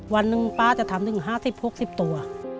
วันหนึ่งป๊าจะทำถึง๕๐๖๐ตัว